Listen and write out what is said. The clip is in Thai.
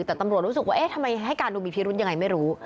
แต่ตำรวจรู้สึกว่าเอ๊ะทำไมให้การดูมีพิรุธยังไงไม่รู้